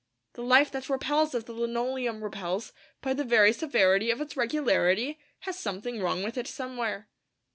The life that repels, as the linoleum repels, by the very severity of its regularity, has something wrong with it somewhere.